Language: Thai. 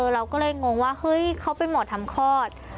เราก็เลยงงว่าเฮ้ยเขาเป็นหมอทำคลอด